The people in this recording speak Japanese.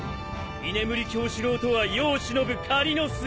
居眠り狂死郎とは世を忍ぶ仮の姿。